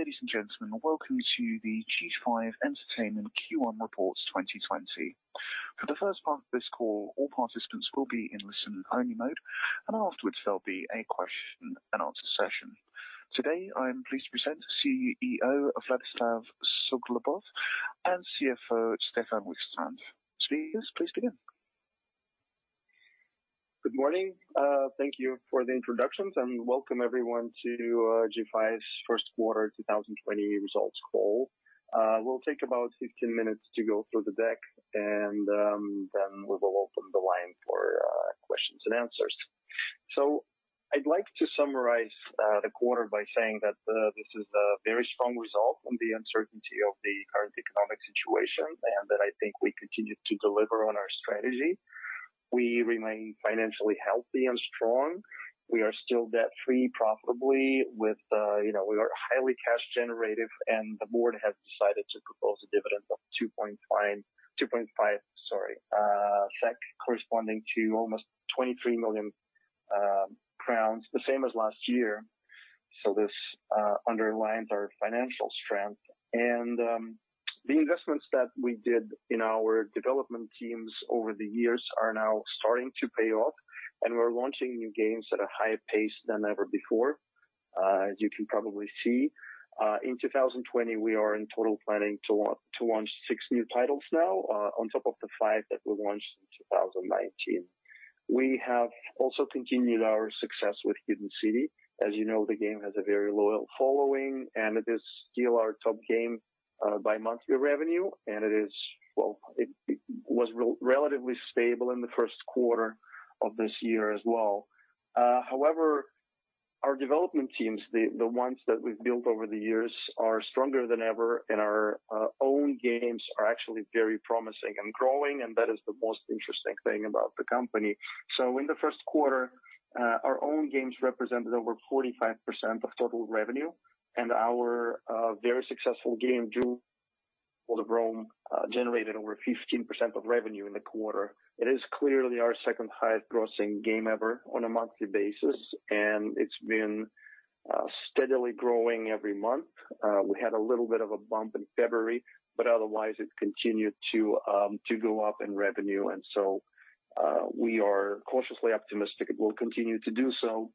Ladies and gentlemen, welcome to the G5 Entertainment Q1 reports 2020. For the first part of this call, all participants will be in listen-only mode, and afterwards there will be a question-and-answer session. Today, I am pleased to present CEO, Vlad Suglobov, and CFO, Stefan Wikstrand. Speakers, please begin. Good morning. Thank you for the introductions, welcome everyone to G5's first quarter 2020 results call. We'll take about 15 minutes to go through the deck, then we will open the line for questions and answers. I'd like to summarize the quarter by saying that this is a very strong result on the uncertainty of the current economic situation, that I think we continue to deliver on our strategy. We remain financially healthy and strong. We are still debt-free profitably. We are highly cash generative, the board has decided to propose a dividend of 2.5 corresponding to almost 23 million crowns, the same as last year. This underlines our financial strength. The investments that we did in our development teams over the years are now starting to pay off, and we're launching new games at a higher pace than ever before, as you can probably see. In 2020, we are in total planning to launch six new titles now, on top of the five that we launched in 2019. We have also continued our success with Hidden City. As you know, the game has a very loyal following, and it is still our top game by monthly revenue, and it was relatively stable in the first quarter of this year as well. However, our development teams, the ones that we've built over the years, are stronger than ever, and our own games are actually very promising and growing, and that is the most interesting thing about the company. In the first quarter, our own games represented over 45% of total revenue, and our very successful game, Jewels of Rome, generated over 15% of revenue in the quarter. It is clearly our second highest grossing game ever on a monthly basis, and it's been steadily growing every month. We had a little bit of a bump in February, but otherwise it continued to go up in revenue. We are cautiously optimistic it will continue to do so.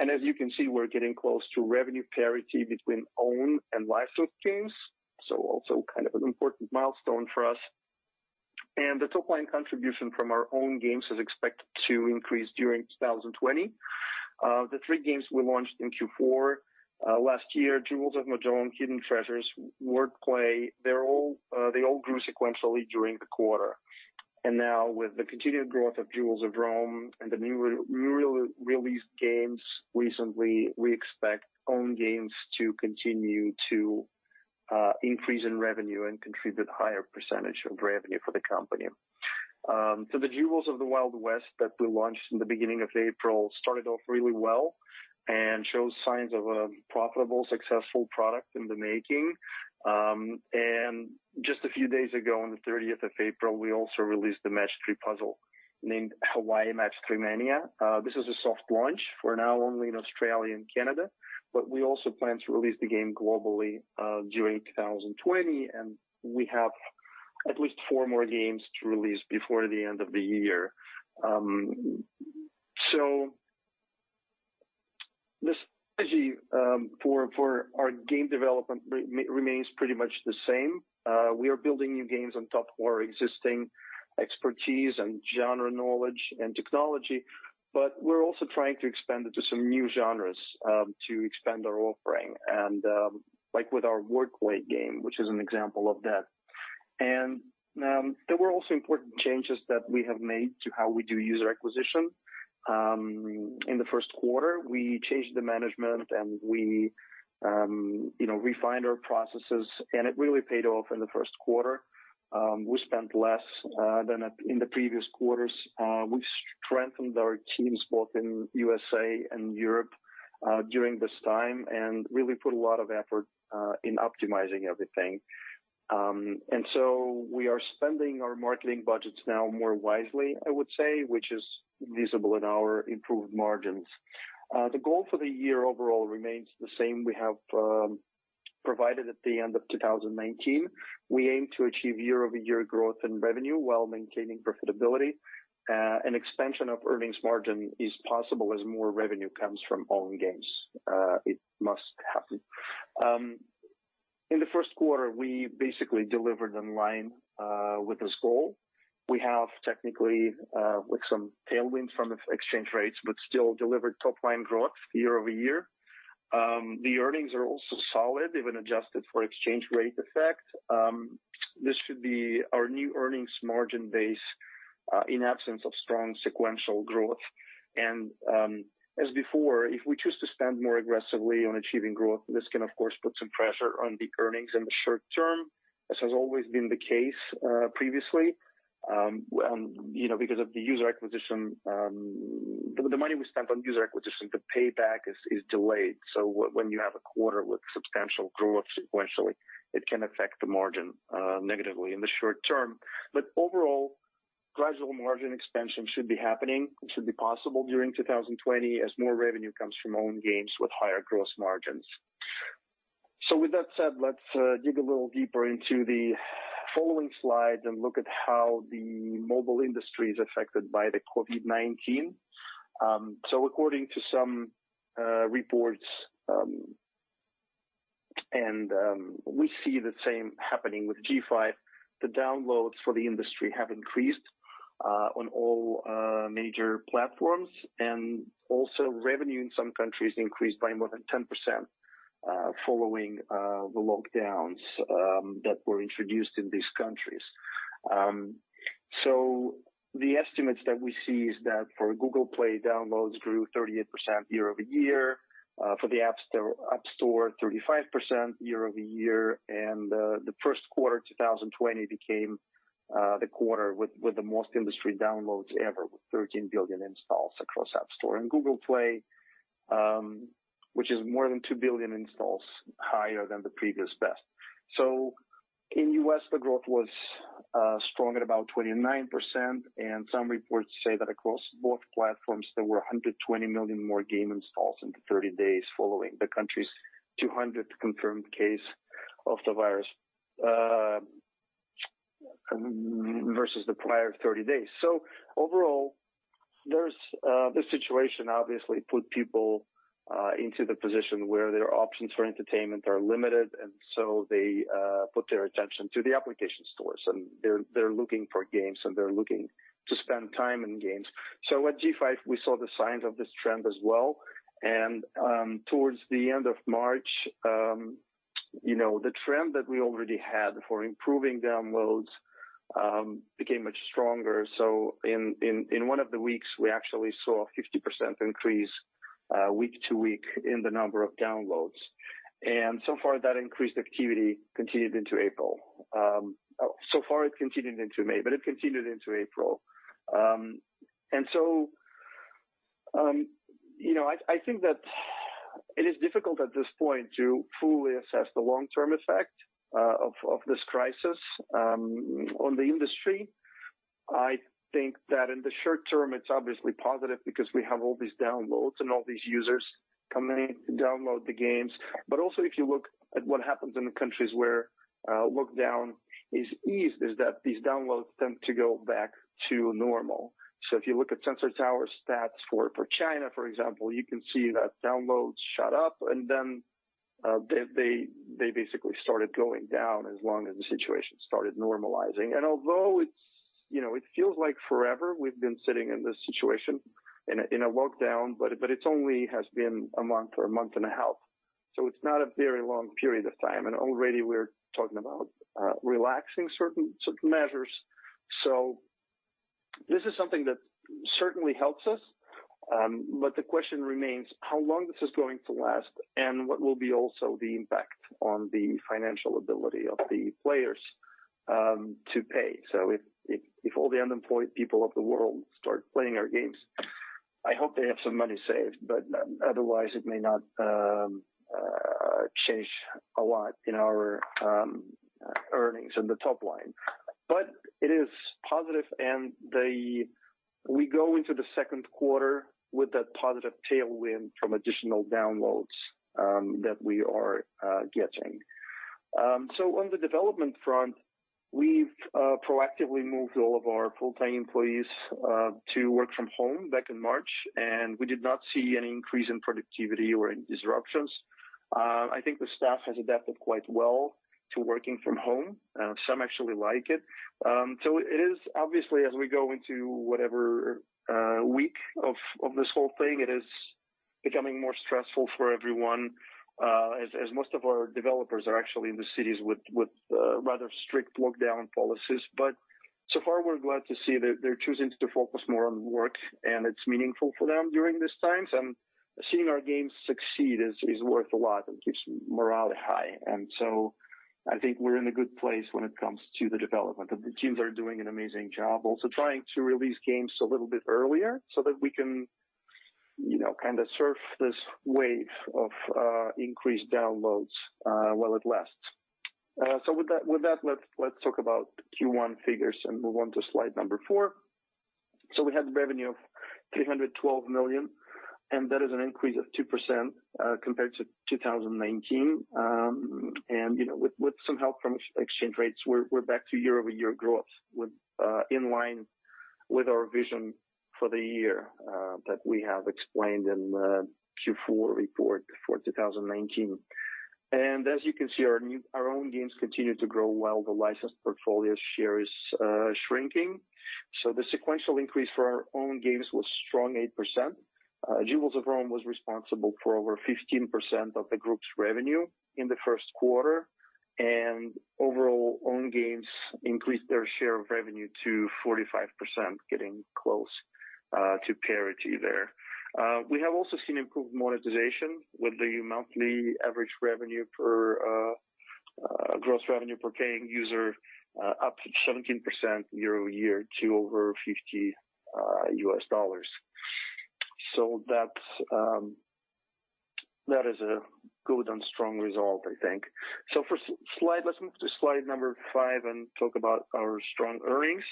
As you can see, we're getting close to revenue parity between owned and licensed games, so also kind of an important milestone for us. The top-line contribution from our own games is expected to increase during 2020. The three games we launched in Q4 last year, Jewels of Mahjong, Hidden Treasures, Wordplay, they all grew sequentially during the quarter. Now with the continued growth of Jewels of Rome and the newly released games recently, we expect owned games to continue to increase in revenue and contribute higher % of revenue for the company. The Jewels of the Wild West that we launched in the beginning of April started off really well and shows signs of a profitable, successful product in the making. Just a few days ago, on the 30th of April, we also released the match three puzzle named Hawaii Match 3 Mania. This is a soft launch for now only in Australia and Canada, but we also plan to release the game globally during 2020, and we have at least four more games to release before the end of the year. The strategy for our game development remains pretty much the same. We are building new games on top of our existing expertise and genre knowledge and technology, but we're also trying to expand into some new genres to expand our offering, like with our Wordplay game, which is an example of that. There were also important changes that we have made to how we do user acquisition. In the first quarter, we changed the management and we refined our processes, and it really paid off in the first quarter. We spent less than in the previous quarters. We strengthened our teams both in U.S.A. and Europe during this time and really put a lot of effort in optimizing everything. We are spending our marketing budgets now more wisely, I would say, which is visible in our improved margins. The goal for the year overall remains the same we have provided at the end of 2019. We aim to achieve year-over-year growth in revenue while maintaining profitability. An expansion of earnings margin is possible as more revenue comes from owned games. It must happen. In the first quarter, we basically delivered in line with this goal. We have technically with some tailwinds from exchange rates, but still delivered top-line growth year-over-year. The earnings are also solid, even adjusted for exchange rate effect. This should be our new earnings margin base in absence of strong sequential growth. As before, if we choose to spend more aggressively on achieving growth, this can of course put some pressure on the earnings in the short term, as has always been the case previously because of the user acquisition. The money we spent on user acquisition, the payback is delayed. When you have a quarter with substantial growth sequentially, it can affect the margin negatively in the short term. Overall, gradual margin expansion should be happening. It should be possible during 2020 as more revenue comes from owned games with higher gross margins. With that said, let's dig a little deeper into the following slide and look at how the mobile industry is affected by the COVID-19. According to some reports, and we see the same happening with G5, the downloads for the industry have increased on all major platforms, and also revenue in some countries increased by more than 10% following the lockdowns that were introduced in these countries. The estimates that we see is that for Google Play, downloads grew 38% year-over-year, for the App Store, 35% year-over-year, and the first quarter 2020 became the quarter with the most industry downloads ever. With 13 billion installs across App Store and Google Play, which is more than 2 billion installs higher than the previous best. In the U.S., the growth was strong at about 29%, and some reports say that across both platforms, there were 120 million more game installs in the 30 days following the country's 200th confirmed case of the virus versus the prior 30 days. Overall, this situation obviously put people into the position where their options for entertainment are limited, and so they put their attention to the application stores, and they're looking for games, and they're looking to spend time in games. At G5, we saw the signs of this trend as well, and towards the end of March, the trend that we already had for improving downloads became much stronger. In one of the weeks, we actually saw a 50% increase week-to-week in the number of downloads. So far, that increased activity continued into April. So far, it continued into May, but it continued into April. I think that it is difficult at this point to fully assess the long-term effect of this crisis on the industry. I think that in the short term, it's obviously positive because we have all these downloads and all these users coming in to download the games. Also, if you look at what happens in the countries where lockdown is eased, is that these downloads tend to go back to normal. If you look at Sensor Tower stats for China, for example, you can see that downloads shot up, and then they basically started going down as long as the situation started normalizing. Although it feels like forever we've been sitting in this situation, in a lockdown, but it only has been a month or a month and a half. It's not a very long period of time, and already we're talking about relaxing certain measures. This is something that certainly helps us, but the question remains, how long this is going to last and what will be also the impact on the financial ability of the players to pay. If all the unemployed people of the world start playing our games, I hope they have some money saved, but otherwise, it may not change a lot in our earnings in the top line. It is positive, and we go into the second quarter with that positive tailwind from additional downloads that we are getting. On the development front, we've proactively moved all of our full-time employees to work from home back in March, and we did not see any increase in productivity or in disruptions. I think the staff has adapted quite well to working from home. Some actually like it. It is obviously, as we go into whatever week of this whole thing, it is becoming more stressful for everyone, as most of our developers are actually in the cities with rather strict lockdown policies. So far, we're glad to see that they're choosing to focus more on work, and it's meaningful for them during these times. Seeing our games succeed is worth a lot and keeps morale high. I think we're in a good place when it comes to the development, and the teams are doing an amazing job also trying to release games a little bit earlier so that we can kind of surf this wave of increased downloads while it lasts. With that, let's talk about Q1 figures and move on to slide number four. We had the revenue of 312 million, and that is an increase of 2% compared to 2019. With some help from exchange rates, we're back to year-over-year growth, in line with our vision for the year that we have explained in the Q4 report for 2019. As you can see, our own games continue to grow while the licensed portfolio share is shrinking. The sequential increase for our own games was strong 8%. Jewels of Rome was responsible for over 15% of the group's revenue in the first quarter. Overall, own games increased their share of revenue to 45%, getting close to parity there. We have also seen improved monetization with the monthly average gross revenue per paying user up 17% year-over-year to over $50. That is a good and strong result, I think. For slide, let's move to slide five and talk about our strong earnings.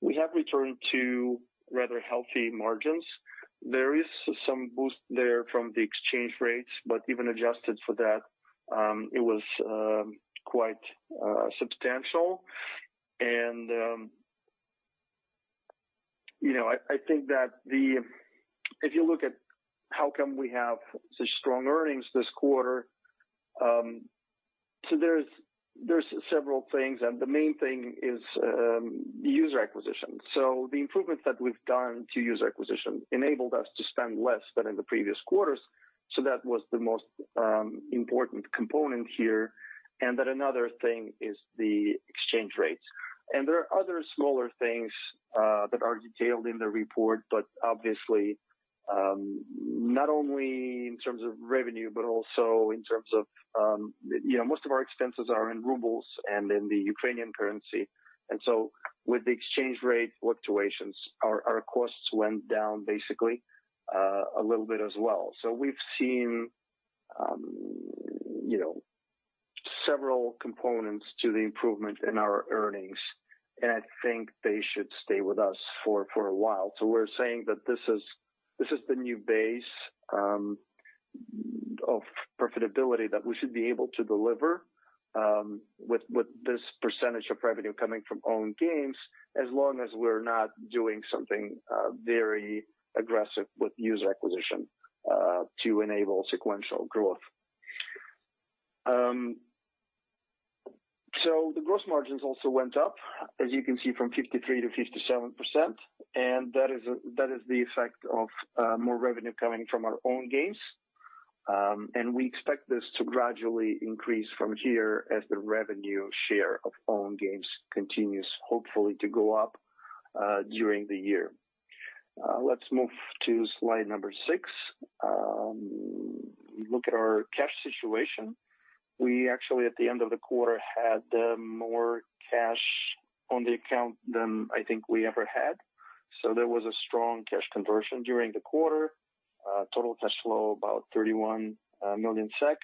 We have returned to rather healthy margins. There is some boost there from the exchange rates. Even adjusted for that, it was quite substantial. I think that if you look at how come we have such strong earnings this quarter, there's several things. The main thing is user acquisition. The improvements that we've done to user acquisition enabled us to spend less than in the previous quarters. That was the most important component here. Another thing is the exchange rates. There are other smaller things that are detailed in the report, but obviously, not only in terms of revenue, but also in terms of Most of our expenses are in rubles and in the Ukrainian currency. With the exchange rate fluctuations, our costs went down basically a little bit as well. We've seen several components to the improvement in our earnings, and I think they should stay with us for a while. We're saying that this is the new base of profitability that we should be able to deliver with this percentage of revenue coming from own games, as long as we're not doing something very aggressive with user acquisition to enable sequential growth. The gross margins also went up, as you can see, from 53%-57%, and that is the effect of more revenue coming from our own games. We expect this to gradually increase from here as the revenue share of own games continues, hopefully, to go up during the year. Let's move to slide number six. Look at our cash situation. We actually, at the end of the quarter, had more cash on the account than I think we ever had. There was a strong cash conversion during the quarter. Total cash flow about 31 million SEK.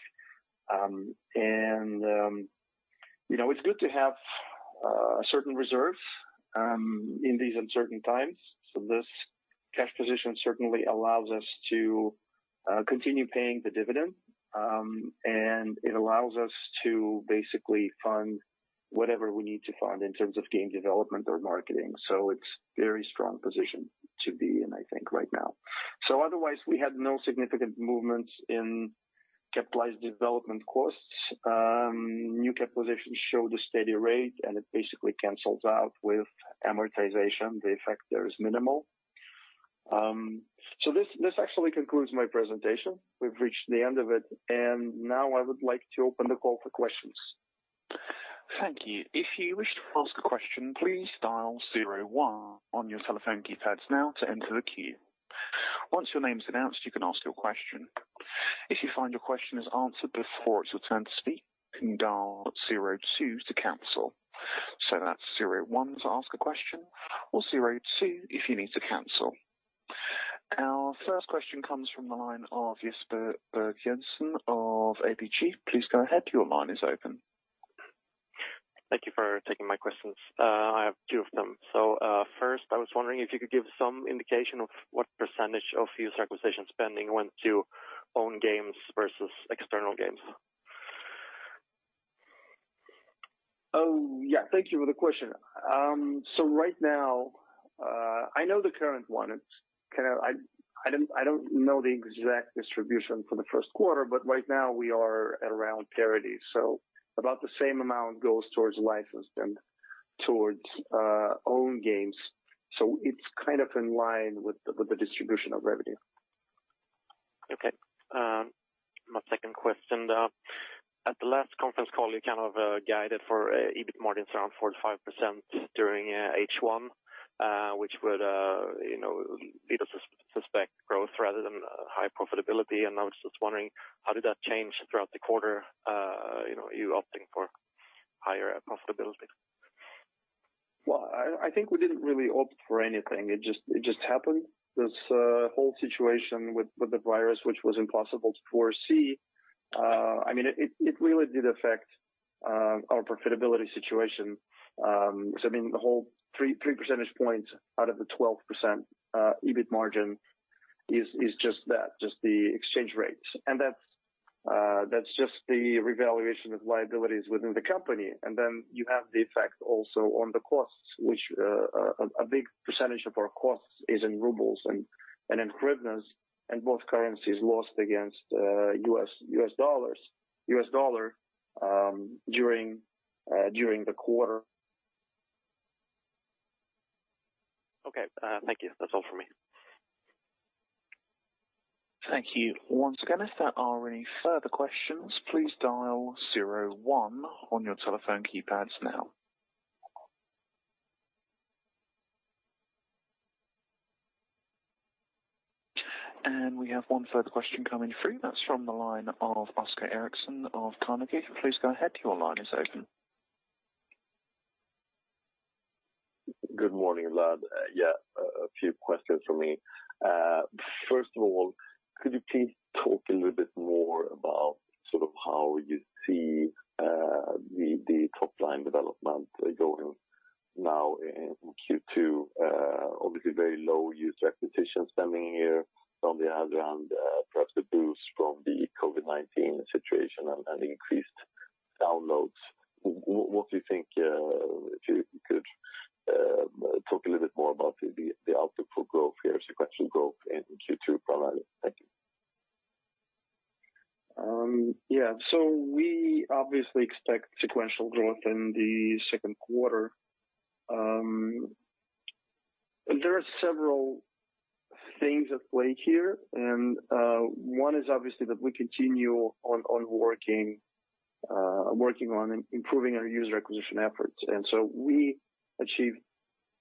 It's good to have a certain reserve in these uncertain times. This cash position certainly allows us to continue paying the dividend, and it allows us to basically fund whatever we need to fund in terms of game development or marketing. It's very strong position to be in, I think, right now. Otherwise, we had no significant movements in capitalized development costs. New cap positions show the steady rate, and it basically cancels out with amortization. The effect there is minimal. This actually concludes my presentation. We've reached the end of it, and now I would like to open the call for questions. Thank you. If you wish to ask a question, please dial zero one on your telephone keypads now to enter the queue. Once your name's announced, you can ask your question. If you find your question is answered before it's your turn to speak, you can dial zero two to cancel. That's zero one to ask a question or zero two if you need to cancel. Our first question comes from the line of Jesper Jensen of ABG. Please go ahead. Your line is open. Thank you for taking my questions. I have two of them. First, I was wondering if you could give some indication of what percentage of user acquisition spending went to own games versus external games. Oh, yeah. Thank you for the question. Right now, I know the current one. I don't know the exact distribution for the first quarter, but right now we are at around parity. About the same amount goes towards licensed and towards own games. It's kind of in line with the distribution of revenue. Okay. My second question, at the last conference call, you kind of guided for EBIT margin around 45% during H1 which would lead us to suspect growth rather than high profitability. I was just wondering, how did that change throughout the quarter, you opting for higher profitability? I think we didn't really opt for anything. It just happened. This whole situation with the virus, which was impossible to foresee, it really did affect our profitability situation. I mean, the whole 3 percentage points out of the 12% EBIT margin is just that, just the exchange rates. That's just the revaluation of liabilities within the company. You have the effect also on the costs, which a big percentage of our costs is in rubles and in hryvnias, and both currencies lost against U.S. Dollar during the quarter. Okay. Thank you. That's all from me. Thank you. Once again, if there are any further questions, please dial zero one on your telephone keypads now. We have one further question coming through. That's from the line of Oscar Erixon of Carnegie. Please go ahead. Your line is open. Good morning, Vlad. Yeah, a few questions from me. First of all, could you please talk a little bit more about how you see the top line development going now in Q2? Obviously very low user acquisition spending here. On the other hand, perhaps the boost from the COVID-19 situation and increased downloads. What do you think, if you could talk a little bit more about the outlook for growth here, sequential growth in Q2 provided. Thank you. Yeah. We obviously expect sequential growth in the second quarter. There are several things at play here, and one is obviously that we continue on working on improving our user acquisition efforts. We achieved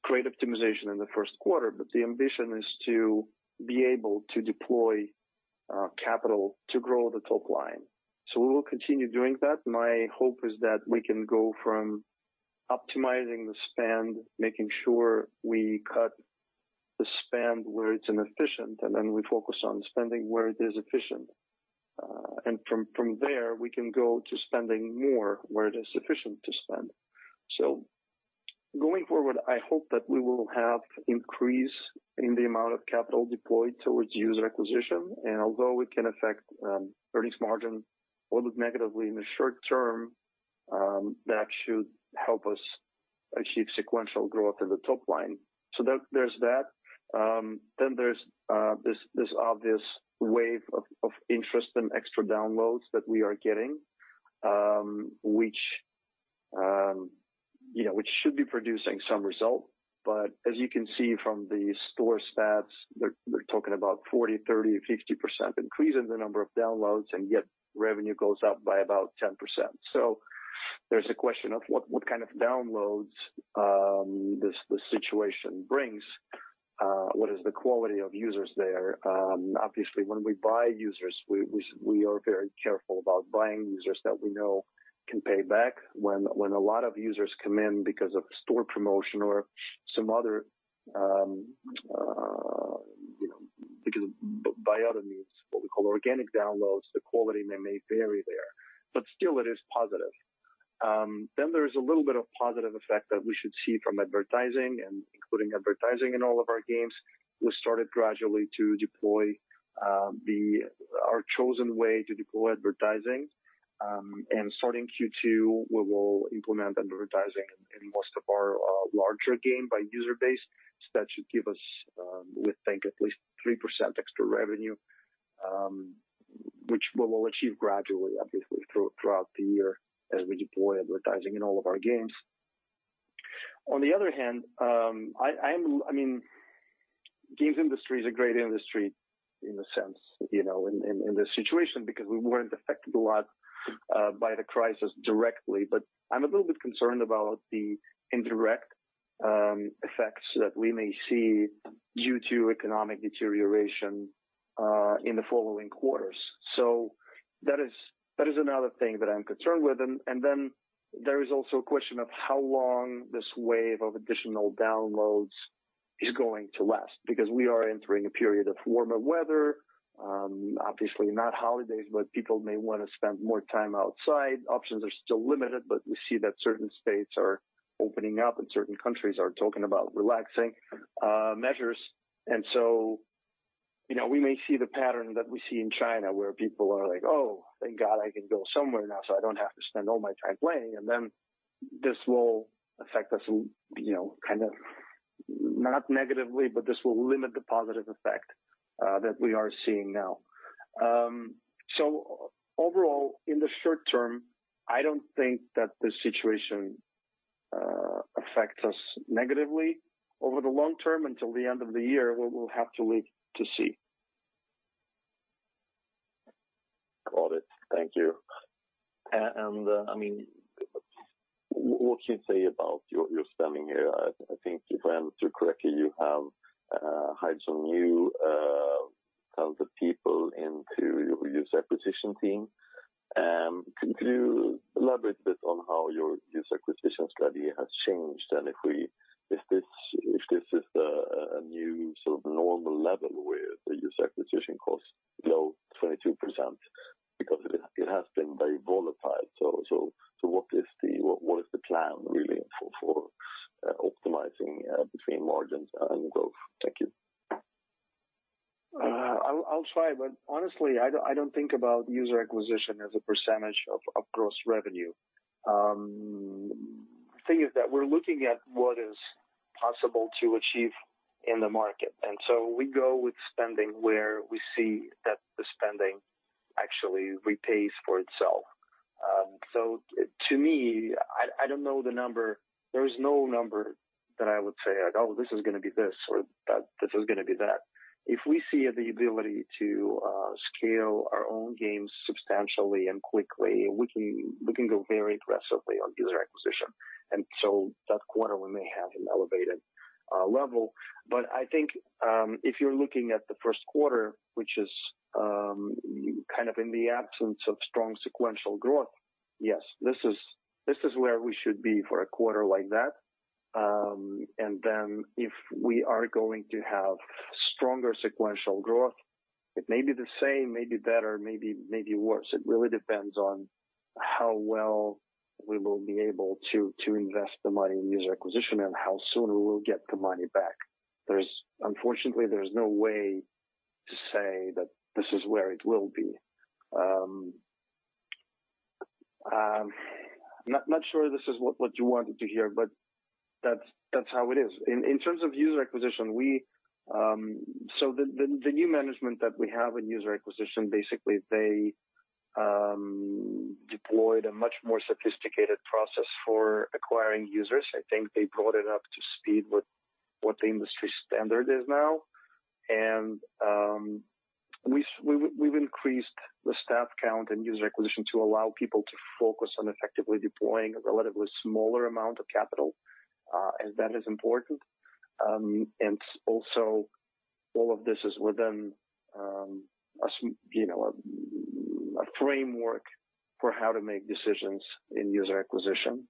great optimization in the first quarter, but the ambition is to be able to deploy our capital to grow the top line. We will continue doing that. My hope is that we can go from optimizing the spend, making sure we cut the spend where it is inefficient, and then we focus on spending where it is efficient. From there, we can go to spending more where it is efficient to spend. Going forward, I hope that we will have increase in the amount of capital deployed towards user acquisition. Although it can affect earnings margin a little negatively in the short term, that should help us achieve sequential growth in the top line. There's that. There's this obvious wave of interest and extra downloads that we are getting which should be producing some result. As you can see from the store stats, we're talking about 40%, 30%, 50% increase in the number of downloads, and yet revenue goes up by about 10%. There's a question of what kind of downloads this situation brings. What is the quality of users there? Obviously, when we buy users, we are very careful about buying users that we know can pay back. When a lot of users come in because of store promotion or by other means, what we call organic downloads, the quality may vary there, but still it is positive. There is a little bit of positive effect that we should see from advertising and including advertising in all of our games. We started gradually to deploy our chosen way to deploy advertising. Starting Q2, we will implement advertising in most of our larger game by user base. That should give us, we think, at least 3% extra revenue which we will achieve gradually, obviously, throughout the year as we deploy advertising in all of our games. On the other hand, games industry is a great industry in a sense, in this situation because we weren't affected a lot by the crisis directly. I'm a little bit concerned about the indirect effects that we may see due to economic deterioration in the following quarters. That is another thing that I'm concerned with. There is also a question of how long this wave of additional downloads is going to last because we are entering a period of warmer weather. Obviously not holidays, but people may want to spend more time outside. Options are still limited, but we see that certain states are opening up and certain countries are talking about relaxing measures. We may see the pattern that we see in China where people are like, Oh, thank God I can go somewhere now, so I don't have to spend all my time playing. This will affect us, kind of not negatively, but this will limit the positive effect that we are seeing now. Overall, in the short term, I don't think that this situation affects us negatively. Over the long term until the end of the year, we will have to wait to see. Got it. Thank you. What can you say about your spending here? I think if I understood correctly, you have hired some new talented people into your user acquisition team. Could you elaborate a bit on how your user acquisition strategy has changed and if this is a new sort of normal level where the user acquisition costs below 22% because it has been very volatile. What is the plan really for optimizing between margins and growth? Thank you. I'll try, but honestly, I don't think about user acquisition as a percentage of gross revenue. Thing is that we're looking at what is possible to achieve in the market. We go with spending where we see that the spending actually repays for itself. To me, I don't know the number. There is no number that I would say like, Oh, this is going to be this or that this is going to be that. If we see the ability to scale our own games substantially and quickly, we can go very aggressively on user acquisition. That quarter we may have an elevated level. I think if you're looking at the first quarter, which is in the absence of strong sequential growth, yes, this is where we should be for a quarter like that. Then if we are going to have stronger sequential growth, it may be the same, maybe better, maybe worse. It really depends on how well we will be able to invest the money in user acquisition and how soon we will get the money back. Unfortunately, there's no way to say that this is where it will be. I'm not sure this is what you wanted to hear, but that's how it is. In terms of user acquisition, the new management that we have in user acquisition, basically, they deployed a much more sophisticated process for acquiring users. I think they brought it up to speed with what the industry standard is now. We've increased the staff count and user acquisition to allow people to focus on effectively deploying a relatively smaller amount of capital, as that is important. Also, all of this is within a framework for how to make decisions in user acquisition.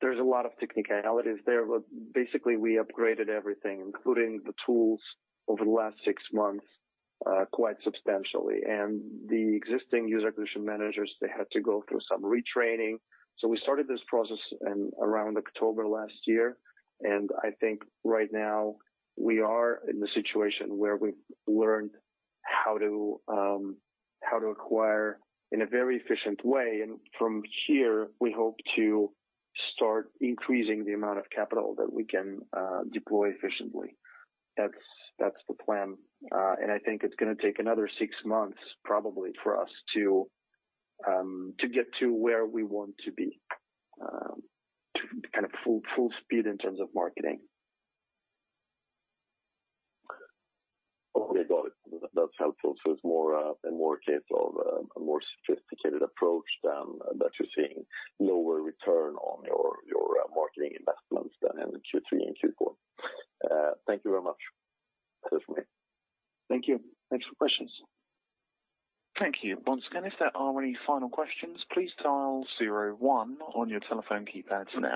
There's a lot of technicalities there, but basically, we upgraded everything, including the tools, over the last six months, quite substantially. The existing user acquisition managers, they had to go through some retraining. We started this process around October last year, and I think right now we are in the situation where we've learned how to acquire in a very efficient way. From here, we hope to start increasing the amount of capital that we can deploy efficiently. That's the plan. I think it's going to take another six months, probably, for us to get to where we want to be, to full speed in terms of marketing. Okay, got it. That's helpful. It's more a case of a more sophisticated approach than that you're seeing lower return on your marketing investments than in the Q3 and Q4. Thank you very much. That's for me. Thank you. Thanks for questions. Thank you once again. If there are any final questions, please dial zero one on your telephone keypads now.